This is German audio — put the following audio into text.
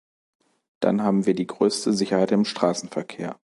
Dann haben wir die größte Sicherheit im Straßenverkehr.